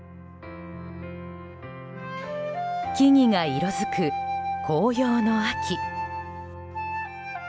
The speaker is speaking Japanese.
木々が色づく紅葉の秋。